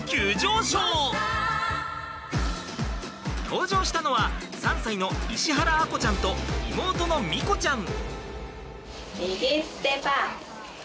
登場したのは３歳の石原亜瑚ちゃんと妹の美瑚ちゃん。